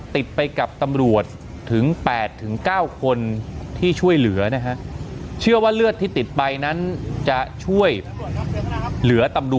ติดไปกับตำรวจถึง๘๙คนที่ช่วยเหลือนะฮะ